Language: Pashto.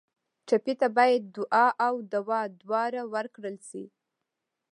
ټپي ته باید دعا او دوا دواړه ورکړل شي.